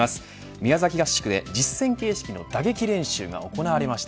宮崎合宿で、実戦形式の打撃練習が行われました。